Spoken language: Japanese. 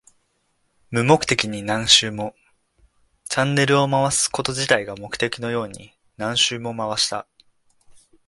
無目的に何周も。チャンネルを回すこと自体が目的のように何周も回した。